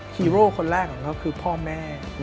ฮีโร่คนแรกของเขาคือพ่อแม่